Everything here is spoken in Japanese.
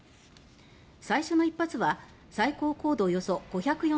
最初の１発は最高高度およそ５４０ｋｍ